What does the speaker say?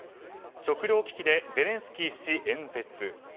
食糧危機でゼレンスキー氏演説。